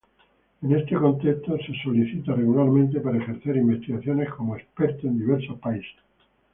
En este contexto, es solicitado regularmente para ejercer investigaciones como experto en diversos países.